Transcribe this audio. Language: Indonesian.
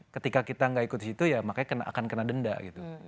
ketika kita gak ikutin itu ya makanya akan kena denda gitu